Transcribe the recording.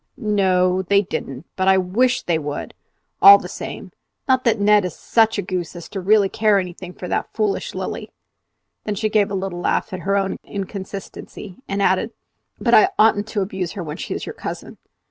"N o, they didn't; but I wish they would, all the same. Not that Ned is such a goose as really to care anything for that foolish Lilly!" Then she gave a little laugh at her own inconsistency, and added, "But I oughtn't to abuse her when she is your cousin."